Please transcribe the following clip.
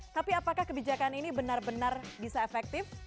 tapi apakah kebijakan ini benar benar bisa efektif